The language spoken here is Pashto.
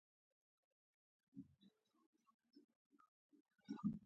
ډبونه، لرکلی، سېرۍ، موړو کلا، ورسک، دړیدم